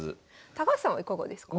高橋さんはいかがですか？